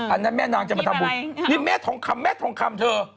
อันนั้นแม่นางจะมาทำบุญนี่แม่ทองคำแม่ทองคำเธอ